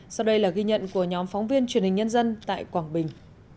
sau đây là ghi nhận của nhóm phóng viên truyền hình nhân dân tại quảng bình